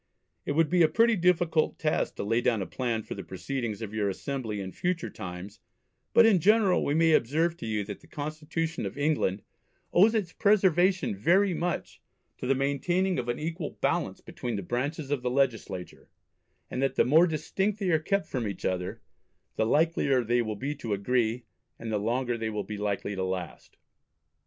It would be a pretty difficult task to lay down a plan for the Proceedings of your Assembly in future times, but in general we may observe to you that the Constitution of England owes its preservation very much to the maintaining of an equal Balance between the branches of the legislature, and that the more distinct they are kept from each other, the likelier they will be to agree, and the longer they will be likely to last."